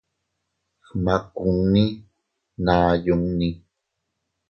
Gmakunni naa yunni.